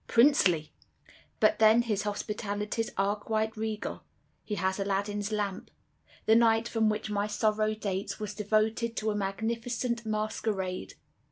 "Princely! But then his hospitalities are quite regal. He has Aladdin's lamp. The night from which my sorrow dates was devoted to a magnificent masquerade.